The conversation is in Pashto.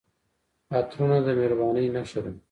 عطرونه د مهربانۍ نښه ده.